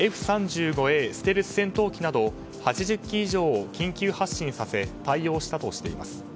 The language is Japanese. ステルス戦闘機など８０機以上を緊急発進させ対応したとしています。